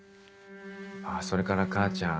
まぁそれから母ちゃん